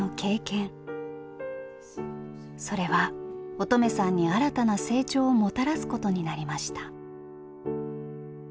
それは音十愛さんに新たな成長をもたらすことになりました。